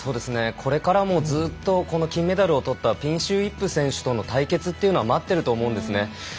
これからもずっと金メダルを取ったピンシュー・イップ選手との対決というのは待っていると思うんですね。